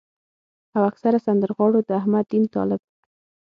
او اکثره سندرغاړو د احمد دين طالب